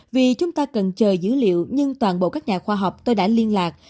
vì chúng ta cần chờ dữ liệu nhưng toàn bộ các nhà khoa học tôi đã liên lạc